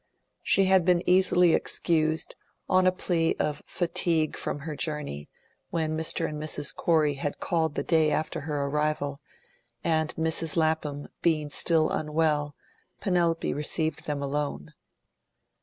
She had been easily excused, on a plea of fatigue from her journey, when Mr. and Mrs. Corey had called the day after her arrival, and Mrs. Lapham being still unwell, Penelope received them alone.